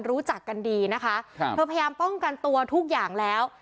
รู้จักกันดีนะคะครับเธอพยายามป้องกันตัวทุกอย่างแล้ว